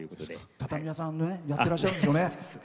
畳屋さんやってらっしゃるんですよね。